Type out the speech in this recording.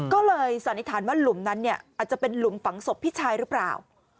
ก็เลยสันนิษฐานว่าหลุมนั้นเนี่ยอาจจะเป็นหลุมฝังศพพี่ชายหรือเปล่า